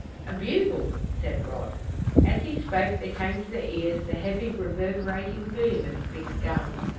"A bugle!" said Rod. As he spoke there came to their ears the heavy, reverberating boom of a big gun.